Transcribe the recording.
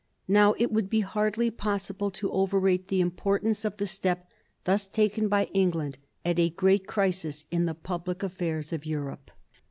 Now it would be hardly possible to overrate the importance of the step thus taken by England at a great crisis in the public affairs of Europe.